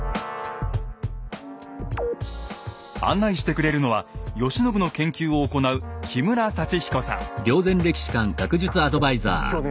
案内してくれるのは慶喜の研究を行う今日ね